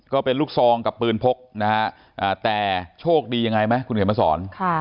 ก็เป็นลูกซองกับปืนพกนะฮะแต่โชคดียังไงไหมคุณเขียนมาสอน